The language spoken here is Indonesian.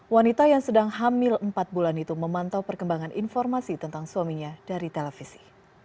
wanita yang sedang hamil empat bulan itu memantau perkembangan informasi tentang suaminya dari televisi